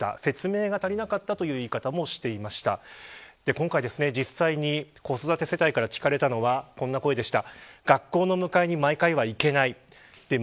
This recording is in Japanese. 今回、実際に子育て世帯から聞かれたのはこんな声でした。